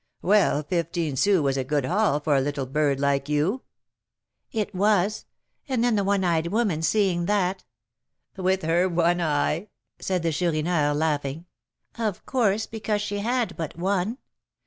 "Well, fifteen sous was a good haul for a little bird like you." "It was. And then the one eyed woman seeing that " "With her one eye?" said the Chourineur, laughing. "Of course, because she had but one.